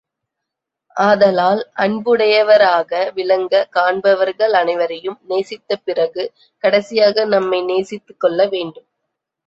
ஆதலால் அன்புடையவராக விளங்க, காண்பவர்கள் அனைவரையும் நேசித்த பிறகு கடைசியாக நம்மை நேசித்துக் கொள்ள வேண்டும்.